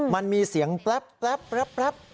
มันมีเสียงแป๊บ